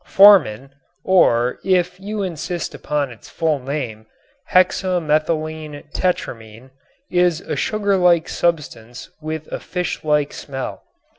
Formin or, if you insist upon its full name, hexa methylene tetramine is a sugar like substance with a fish like smell.